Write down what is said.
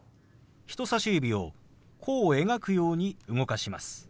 人さし指を弧を描くように動かします。